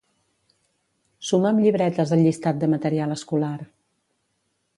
Suma'm llibretes al llistat de material escolar.